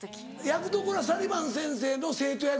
役どころはサリヴァン先生の生徒役？